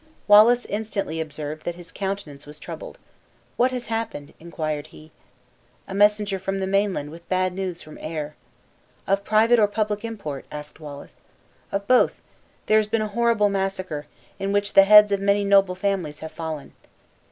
Wallace instantly observed that his countenance was troubled. "What has happened?" inquired he. "A messenger from the mainland, with bad news from Ayr." "Of private or public import?" asked Wallace. "Of both. There has been a horrid massacre, in which the heads of many noble families have fallen."